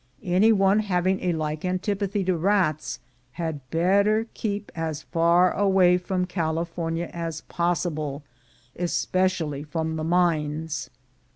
Any one having a like antipathy to rats had better keep as far away from California as possible, especially from the mines.